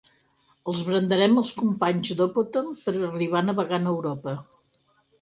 Els brandaren els companys d'Opòton per arribar navegant a Europa.